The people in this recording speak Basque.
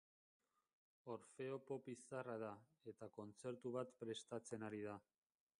Orfeo pop izarra da, eta kontzertu bat prestatzen ari da.